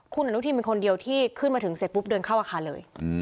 คุณอนุทินเป็นคนเดียวที่ขึ้นมาถึงเสร็จปุ๊บเดินเข้าอาคารเลย